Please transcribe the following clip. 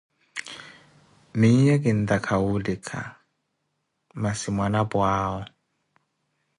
Miiyo kintta woulika, massi mwanapwa awo